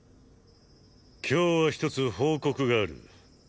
今日は１つ報告がある。